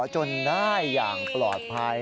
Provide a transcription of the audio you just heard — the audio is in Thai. จนได้อย่างปลอดภัย